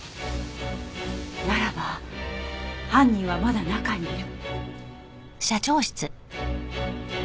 ならば犯人はまだ中にいる。